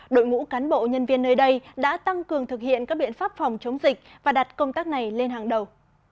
đội ngũ cán bộ nhân viên nơi đây đã tăng cường thực hiện các biện pháp phòng chống dịch và đặt công tác này lên hàng đầu